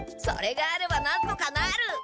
それがあればなんとかなる！